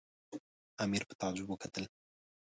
امیر په تعجب وکتل.